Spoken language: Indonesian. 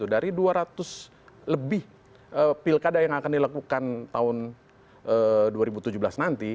dari dua ratus lebih pilkada yang akan dilakukan tahun dua ribu tujuh belas nanti